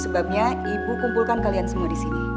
sebabnya ibu kumpulkan kalian semua di sini